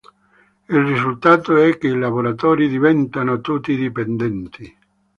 Il risultato è che i lavoratori diventano tutti dipendenti.